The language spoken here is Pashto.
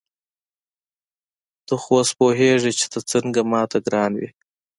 ته خو اوس پوهېږې چې ته څنګه ما ته ګران وې.